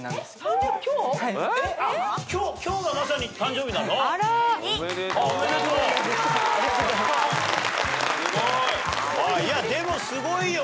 すごい。